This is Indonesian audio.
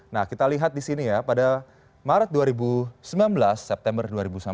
nah kita lihat di sini ya pada maret dua ribu sembilan belas september dua ribu sembilan belas